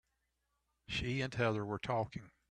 She and Heather were talking.